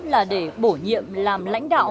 là để bổ nhiệm làm lãnh đạo